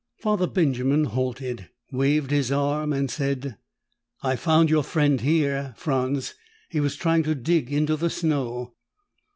Father Benjamin halted, waved his arm and said, "I found your friend here, Franz. He was trying to dig into the snow."